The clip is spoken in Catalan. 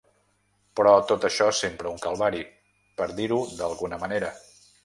Però tot això és sempre un calvari, per dir-ho d’alguna manera.